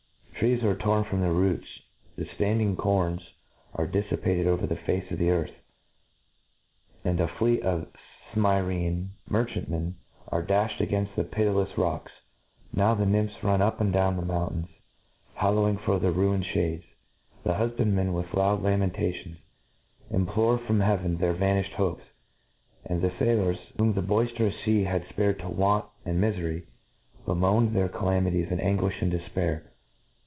Trees *e torn from their roots, the Handing corns are'diffipated over the face of the earthy and a fleet of Smymian merchantmen are dafhed againfl the pitylefs rocks. Now the nymphs rim up and down the mountains howh ing for their ruined (hades ; the hufbandmen^, with loud lamentations, implore from heaveA their vanifived hopes ; and the failors, whom the boiftcrous fea had fpared to want and mifery, be moan their ealamities in anguifh and defpaif